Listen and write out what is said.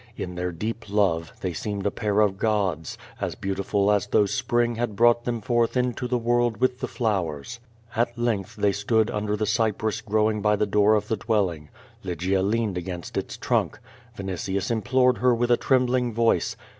In their deep love, they seemed a pair of gods, as beautiful as though Spring had brought them forth into the world with the flowers. At length they stood under the cypress growing by the door of the dwelling. Lygia leaned against its trunk. Vinitius im plored her with a trembling voice.